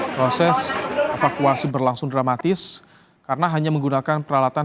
proses evakuasi berlangsung dramatis karena hanya menggunakan peralatan